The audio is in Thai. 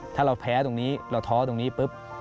ถ้าเราแพ้ตรงนี้เราท้อตรงนี้ปุ๊บ